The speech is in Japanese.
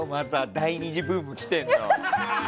第２次ブームきてるの。